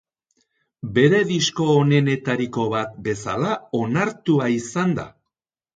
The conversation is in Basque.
Bere disko onenetariko bat bezala onartua izan da.